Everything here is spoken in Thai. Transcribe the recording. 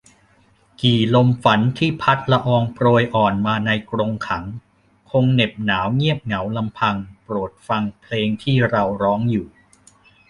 กี่ลมฝันที่พัดละอองโปรยอ่อนมาในกรงขัง คงเหน็บหนาวเงียบเหงาลำพัง โปรดฟังเพลงที่เราร้องอยู่